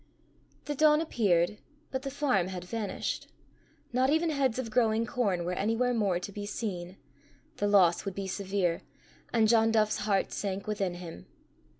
The dawn appeared but the farm had vanished. Not even heads of growing corn were anywhere more to be seen. The loss would be severe, and John Duff's heart sank within him.